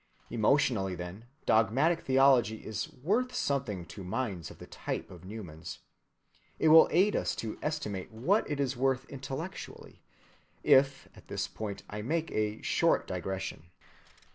Emotionally, then, dogmatic theology is worth something to minds of the type of Newman's. It will aid us to estimate what it is worth intellectually, if at this point I make a short digression.